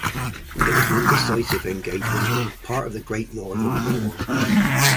It was an indecisive engagement, part of the Great Northern War.